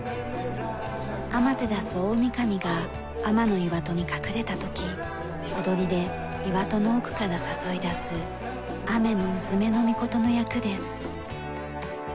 天照大神が天岩戸に隠れた時踊りで岩戸の奥から誘い出す天鈿女命の役です。